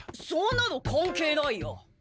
そんなの関係ないよ。